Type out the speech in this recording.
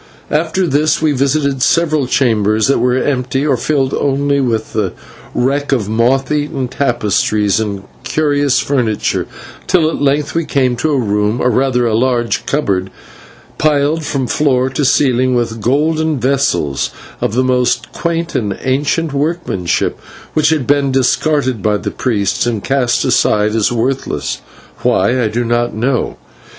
After this we visited several chambers that were empty, or filled only with the wreck of moth eaten tapestries and curious furnitures, till at length we came to a room, or rather a large cupboard, piled from floor to ceiling with golden vessels of the most quaint and ancient workmanship, which had been discarded by the priests and cast aside as worthless why, I do not know.